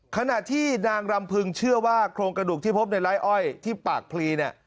ขณะที่นางรำพึงเชื่อว่าโครงกระดูกที่พบในไร้อ้อยที่ปากพลีเนี่ย